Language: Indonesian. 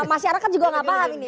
masyarakat juga nggak paham ini